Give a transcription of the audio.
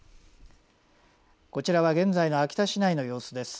こちらは現在の秋田市内の様子です。